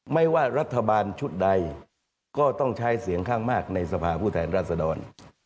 ไม่ว่ารัฐบาลชุดใดก็ต้องใช้เสียงข้างมากในสภาผู้แทนรัศดร